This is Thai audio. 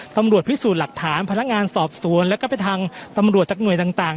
ตำรวจพิสูจน์หลักฐานพนักงานสอบสวนแล้วก็ไปทางตำรวจจากหน่วยต่าง